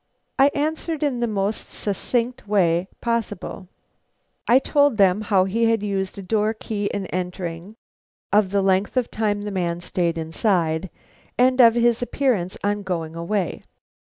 I answered in the most succinct way possible. I told them how he had used a door key in entering, of the length of time the man stayed inside, and of his appearance on going away.